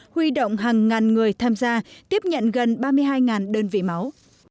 huy động hàng ngàn người tham gia tiếp nhận gần ba mươi hai đơn vị máu